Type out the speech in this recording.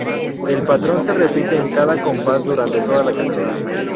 El patrón se repite en cada compás durante toda la canción.